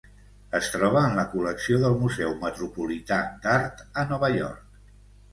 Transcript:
Es troba en la col·lecció del Museu Metropolità d'Art a Nova York.